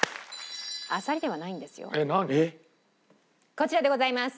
こちらでございます。